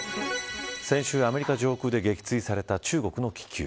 先週、アメリカ上空で撃墜された中国の気球。